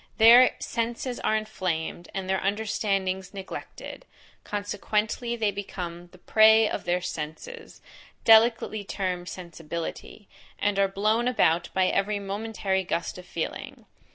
Their senses are inflamed, and their understandings neglected; consequently they become the prey of their senses, delicately termed sensibility, and are blown about by every momentary gust of feeling.